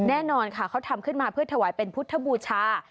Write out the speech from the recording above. แน่นอนค่ะเขาทำขึ้นมาเพื่อถวายเป็นพุทธบูชา